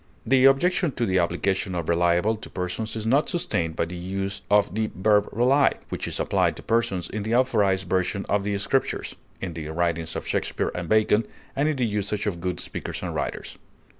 The objection to the application of reliable to persons is not sustained by the use of the verb "rely," which is applied to persons in the authorized version of the Scriptures, in the writings of Shakespeare and Bacon, and in the usage of good speakers and writers.